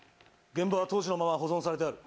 現場は当時のまま保存されてある。